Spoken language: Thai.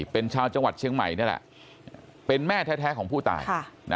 เป็นชาวจังหวัดเชียงใหม่นี่แหละเป็นแม่แท้ของผู้ตาย